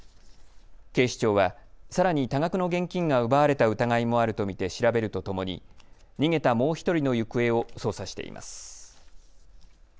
警視庁はさらに多額の現金が奪われた疑いもあると見て調べるとともに逃げたもう１人の行方を捜査しています。